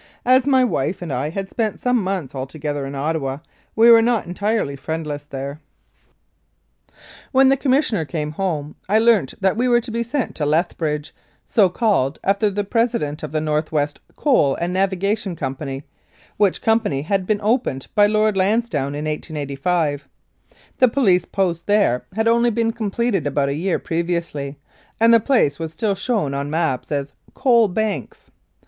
As my wife and I had spent some months altogether in Ottawa, we were not entirely friendless there. When the Commissioner came home I learnt that we were to be sent to Lethbridge, so called after the presi dent of the North West Coal and Navigation Company, which company had been opened by Lord Lansdowne in 1885. The Police Post there had only been completed about a year previously, and the place was still shown on maps as "Coal Banks."